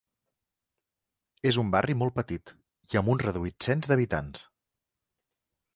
És un barri molt petit i amb un reduït cens d'habitants.